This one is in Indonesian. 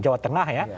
jawa tengah ya